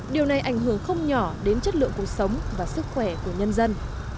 điều này ảnh hưởng không nhỏ đến chất lượng cuộc sống và sức khỏe của nhân dân